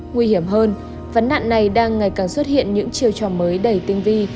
nguy hiểm hơn vấn đạn này đang ngày càng xuất hiện những chiều trò mới đầy tinh vi